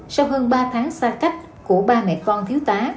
sau hơn ba tháng xa cách của ba mẹ con thiếu tá